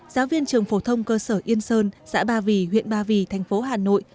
giáo viên trường phổ thông cơ sở yên sơn xã ba vì huyện ba vì thành phố hà nội